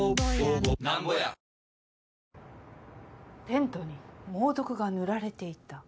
テントに猛毒が塗られていた？